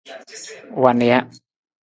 Wa nija.